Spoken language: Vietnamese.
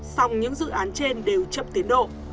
xong những dự án trên đều chậm tiến độ